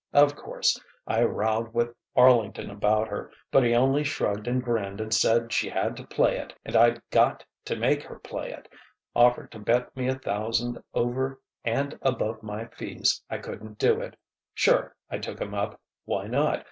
Of course I rowed with Arlington about her, but he only shrugged and grinned and said she had to play it and I'd got to make her play it offered to bet me a thousand over and above my fees I couldn't do it.... Sure, I took him up. Why not?